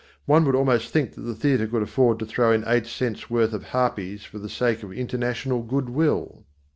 One would almost think the theatre could afford to throw in eight cents worth of harpies for the sake of international good will.